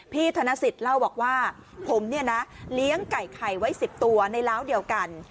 ธนสิทธิ์เล่าบอกว่าผมเนี่ยนะเลี้ยงไก่ไข่ไว้๑๐ตัวในล้าวเดียวกัน